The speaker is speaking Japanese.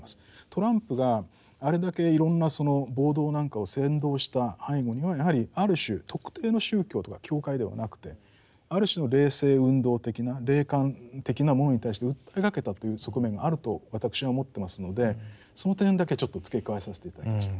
トランプがあれだけいろんなその暴動なんかを扇動した背後にはやはりある種特定の宗教とか教会ではなくてある種の霊性運動的な霊感的なものに対して訴えかけたという側面があると私は思ってますのでその点だけちょっと付け加えさせて頂きました。